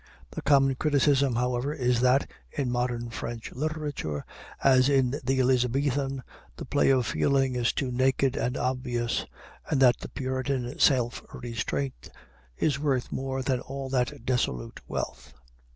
The common criticism, however, is, that in modern French literature, as in the Elizabethan, the play of feeling is too naked and obvious, and that the Puritan self restraint is worth more than all that dissolute wealth.